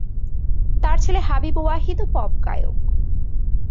তার ছেলে হাবিব ওয়াহিদ ও পপ গায়ক।